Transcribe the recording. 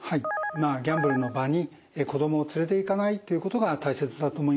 まあギャンブルの場に子どもを連れていかないということが大切だと思います。